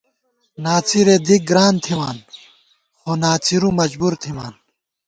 ناڅِرےدِک گران تھِمان خو ناڅِرُو مجبورتھِمان